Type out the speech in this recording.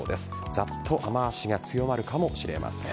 ざっと雨脚が強まるかもしれません。